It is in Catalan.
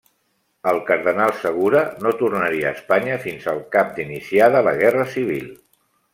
El Cardenal Segura no tornaria a Espanya fins al cap d'iniciada la guerra civil.